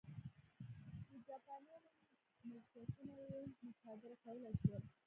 د جاپانیانو ملکیتونه یې مصادره کولای شول.